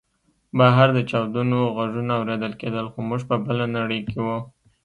بهر د چاودنو غږونه اورېدل کېدل خو موږ په بله نړۍ کې وو